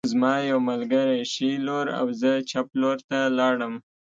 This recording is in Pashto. زما یو ملګری ښي لور او زه چپ لور ته لاړم